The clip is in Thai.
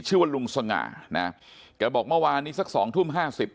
ชื่อว่าลุงสง่านะเขาบอกเมื่อวานนี้สัก๒ทุ่ม๕๐